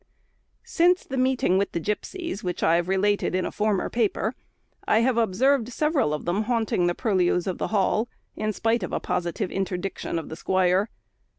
Since the meeting with the gipsies, which I have related in a former paper, I have observed several of them haunting the purlieus of the Hall, in spite of a positive interdiction of the squire.